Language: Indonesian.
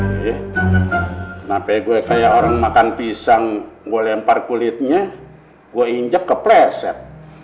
kenapa gue kayak orang makan pisang gue lempar kulitnya gue injek kepleset